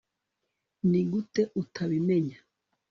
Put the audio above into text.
Nigute utabimenya